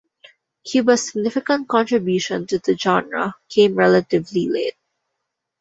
Cuba's significant contribution to the genre came relatively late.